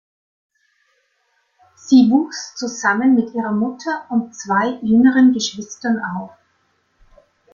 Sie wuchs zusammen mit ihrer Mutter und zwei jüngeren Geschwistern auf.